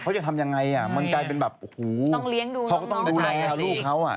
เขาจะทำยังไงอ่ะมันกลายเป็นแบบโอ้โหเขาก็ต้องดูแลลูกเขาอ่ะ